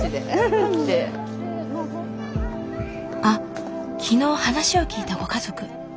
あっ昨日話を聞いたご家族。